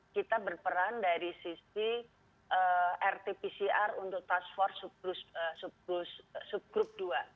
kita berperan dari sisi rt pcr untuk task force sub group dua